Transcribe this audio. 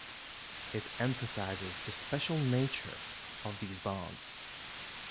It emphasizes the special nature of these bonds.